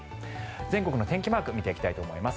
全国の天気マーク見ていきたいと思います。